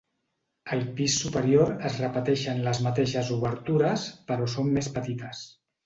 Al pis superior es repeteixen les mateixes obertures però són més petites.